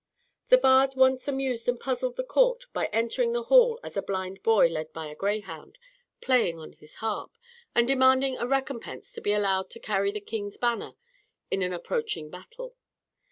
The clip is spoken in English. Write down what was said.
The bard once amused and puzzled the court by entering the hall as a blind boy led by a greyhound, playing on his harp, and demanding as recompense to be allowed to carry the king's banner in an approaching battle.